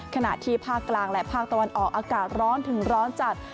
ขณะที่ภาคกลางและภาคตะวันออกอากาศร้อนถึงร้อนจัด